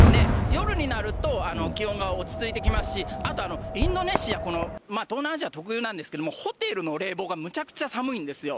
夜になると、気温が落ち着いてきますし、あと、インドネシア、この東南アジア特有なんですけども、ホテルの冷房がむちゃくちゃ寒いんですよ。